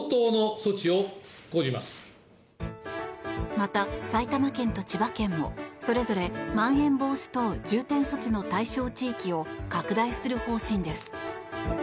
また、埼玉県と千葉県もそれぞれまん延防止等重点措置の対象地域を拡大する方針です。